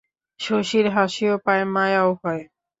শশীর হাসিও পায়, মায়াও হয়।